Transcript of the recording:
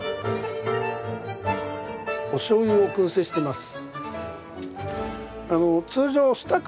おしょうゆを燻製してます。